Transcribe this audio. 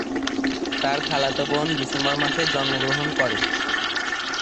তার খালাতো বোন ডিসেম্বর মাসে জন্মগ্রহণ করে।